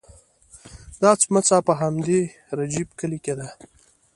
دا څمڅه په همدې رجیب کلي کې ده.